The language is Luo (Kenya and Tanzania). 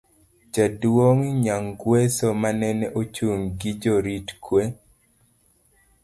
jaduong' Nyangweso manene ochung' gi jorit kwe